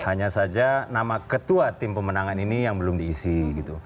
hanya saja nama ketua tim pemenangan ini yang belum diisi gitu